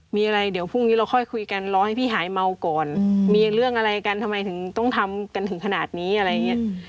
มีอะไรเดี๋ยวพรุ่งนี้เราค่อยคุยกันรอให้พี่หายเมาก่อนมีเรื่องอะไรกันทำไมถึงต้องทำกันถึงขนาดนี้อะไรอย่างนี้